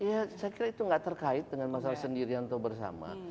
ya saya kira itu tidak terkait dengan masalah sendirian atau bersama